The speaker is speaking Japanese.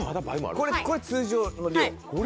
これ通常の量。